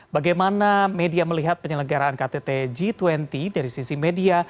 bagaimana media melihat penyelenggaraan ktt g dua puluh dari sisi media